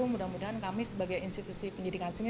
mudah mudahan kami sebagai institusi pendidikan sini